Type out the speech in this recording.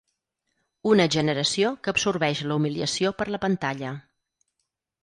Una generació que absorbeix la humiliació per la pantalla.